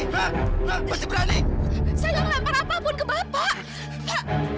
saya yang lempar apapun ke bapak